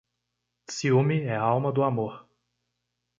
Ciúme é a alma do amor.